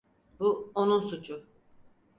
Bu onun suçu.